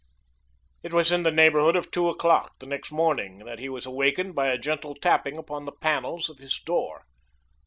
It was in the neighborhood of two o'clock the next morning that he was awakened by a gentle tapping upon the panels of his door.